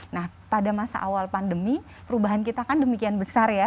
nah pada masa awal pandemi perubahan kita kan demikian besar ya